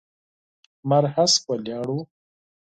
لمر هسک ولاړ و.